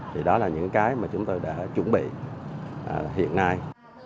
thì đó là những cái mà chúng tôi đã chuẩn bị hiện nay